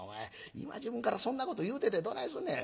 今時分からそんなこと言うててどないすんねん。